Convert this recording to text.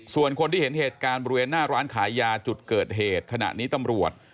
ส่วนคนที่เห็นเหตุการณ์บริเวณหน้าร้านขายยาจุดเกิดเหตุขณะนี้ตำรวจ